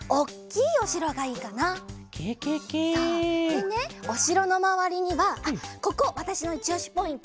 でねおしろのまわりにはあっここわたしのいちおしポイント。